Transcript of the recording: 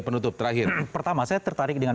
penutup terakhir pertama saya tertarik dengan